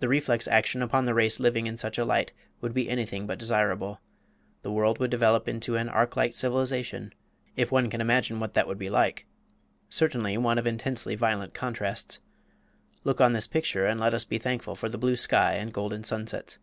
The reflex action upon the race living in such a light would be anything but desirable. The world would develop into an arc light civilization if one can imagine what that would be like; certainly one of intensely violent contrasts. Look on this picture and let us be thankful for the blue sky and golden sunsets.